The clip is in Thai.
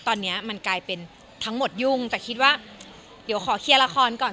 ตอนนี้มันกลายเป็นทั้งหมดยุ่งแต่คิดว่าเดี๋ยวขอเคลียร์ละครก่อน